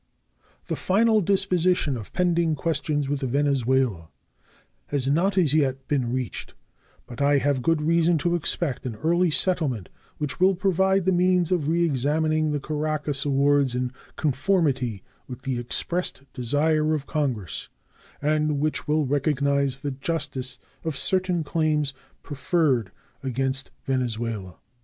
The final disposition of pending questions with Venezuela has not as yet been reached, but I have good reason to expect an early settlement which will provide the means of reexamining the Caracas awards in conformity with the expressed desire of Congress, and which will recognize the justice of certain claims preferred against Venezuela.